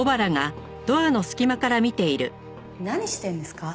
何してんですか？